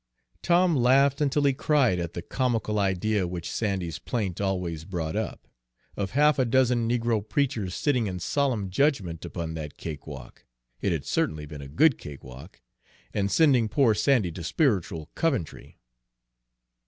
Tom laughed until he cried at the comical idea which Sandy's plaint always brought up, of half a dozen negro preachers sitting in solemn judgment upon that cakewalk, it had certainly been a good cakewalk! and sending poor Sandy to spiritual Coventry.